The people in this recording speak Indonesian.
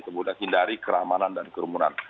kemudian hindari keramanan dan kerumunan